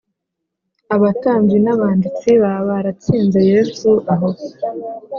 abatambyi n’abanditsi baba baratsinze Yesu aho